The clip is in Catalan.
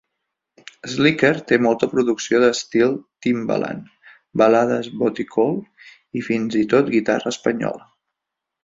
Slicker té molta producció d'estil Timbaland, balades booty-call i fins i tot guitarra espanyola.